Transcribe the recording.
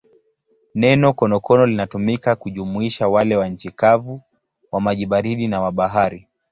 Neno konokono linatumika kujumuisha wale wa nchi kavu, wa maji baridi na wa bahari.